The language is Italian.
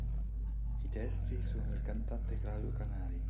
I testi sono del cantante Claudio Canali.